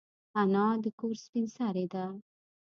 انا د کور سپین سرې ده